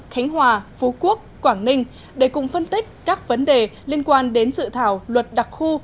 khánh hòa phú quốc quảng ninh để cùng phân tích các vấn đề liên quan đến dự thảo luật đặc khu